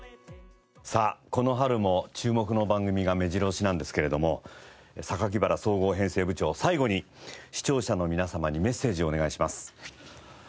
さあこの春も注目の番組がめじろ押しなんですけれども榊原総合編成部長最後に視聴者の皆様にメッセージをお願いします。